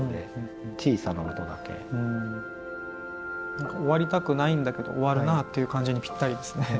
何か終わりたくないんだけど終わるなっていう感じにぴったりですね。